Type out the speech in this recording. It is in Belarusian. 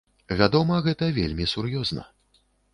Вядома гэта вельмі сур'ёзна.